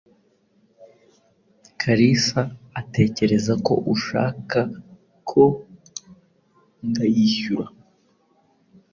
Kalisa atekereza ko ushaka ko ndayishyura.